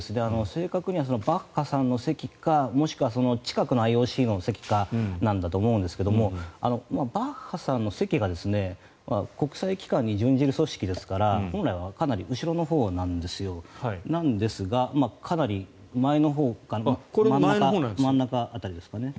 正確にはバッハさんの席かもしくはその近くのＩＯＣの席かなんだと思いますがバッハさんの席が国際機関に準じる組織ですから本来はかなり後ろのほうなんですがかなり前のほうか真ん中辺りですかね。